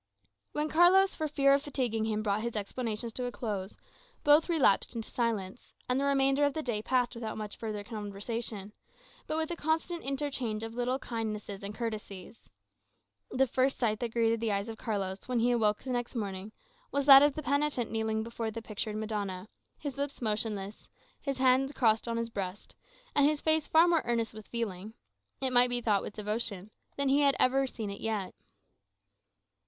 When Carlos, for fear of fatiguing him, brought his explanations to a close, both relapsed into silence; and the remainder of the day passed without much further conversation, but with a constant interchange of little kindnesses and courtesies. The first sight that greeted the eyes of Carlos when he awoke the next morning, was that of the penitent kneeling before the pictured Madonna, his lips motionless, his hands crossed on his breast, and his face far more earnest with feeling it might be thought with devotion than he had ever seen it yet.